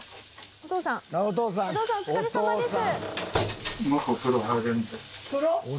お父さんお疲れさまです。